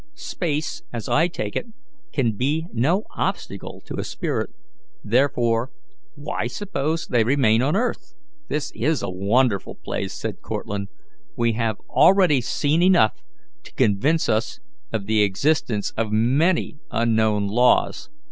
Space, as I take it, can be no obstacle to a spirit; therefore, why suppose they remain on earth?" "This is a wonderful place," said Cortlandt. "We have already seen enough to convince us of the existence of many unknown laws.